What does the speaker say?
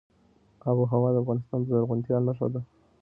آب وهوا د افغانستان د زرغونتیا نښه ده.